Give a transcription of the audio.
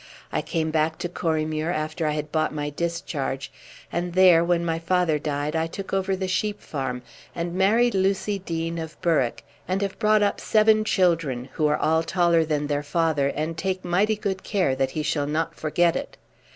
I came back to Corriemuir after I had bought my discharge, and there, when my father died, I took over the sheep farm, and married Lucy Deane, of Berwick, and have brought up seven children, who are all taller than their father, and take mighty good care that he shall not forget it.